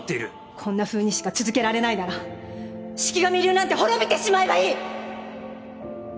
こんなふうにしか続けられないなら四鬼神流なんて滅びてしまえばいい！